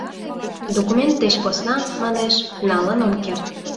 — Документ деч посна, — манеш, — налын ом керт.